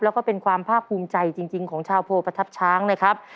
แล้วก็เป็นความภาคภูมิใจจริงของชาวโพประทับช้างนะครับ